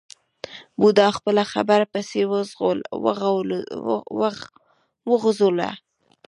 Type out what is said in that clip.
بوډا خپله خبره پسې وغځوله.